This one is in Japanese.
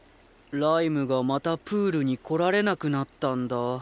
ライムがまたプールに来られなくなったんだ。